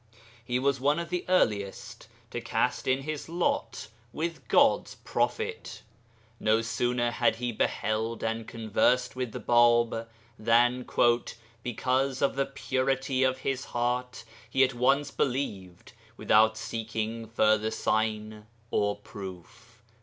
He was one of the earliest to cast in his lot with God's prophet. No sooner had he beheld and conversed with the Bāb, than, 'because of the purity of his heart, he at once believed without seeking further sign or proof.'